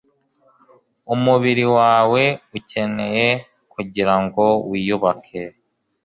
umubiri wawe ukeneye kugirango wiyubake